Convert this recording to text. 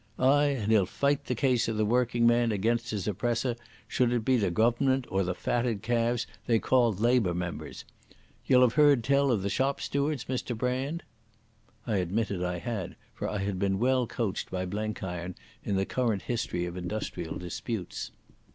Ay, and he'll fight the case of the workingman against his oppressor, should it be the Goavernment or the fatted calves they ca' Labour Members. Ye'll have heard tell o' the shop stewards, Mr Brand?" I admitted I had, for I had been well coached by Blenkiron in the current history of industrial disputes.